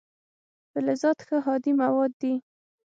فلزات ښه هادي مواد دي.